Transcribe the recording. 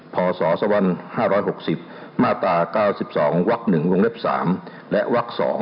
พศ๒๖๐มาตรา๙๒ว๑ว๓และว๒